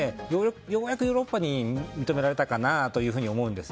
ようやくヨーロッパに認められたかなと思うんです。